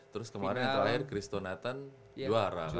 terus kemarin yang terakhir christo nathan juara